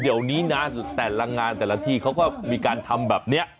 เดี๋ยวนี้นะแต่ละงานแต่ละที่เขาก็มีการทำแบบนี้